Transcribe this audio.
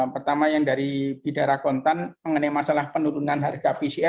pertama yang dari bidara kontan mengenai masalah penurunan kursi